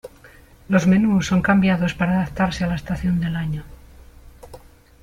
Los menús son cambiados para adaptarse a la estación del año.